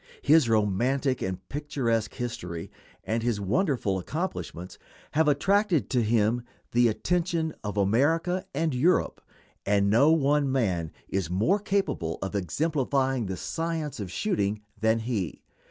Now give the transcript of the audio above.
His romantic and picturesque history and his wonderful accomplishments have attracted to him the attention of America and Europe, and no one man is more capable of exemplifying the science of shooting than he.